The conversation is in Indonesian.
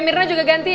mirna juga ganti ya